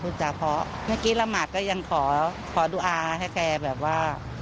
พูดจากเพราะเมื่อกี้รมชก็ยังขอดุอาให้แค่แบบว่า